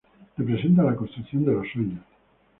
Representa la construcción de los sueños.